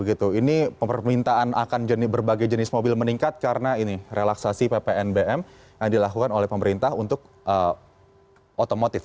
ini permintaan akan berbagai jenis mobil meningkat karena ini relaksasi ppnbm yang dilakukan oleh pemerintah untuk otomotif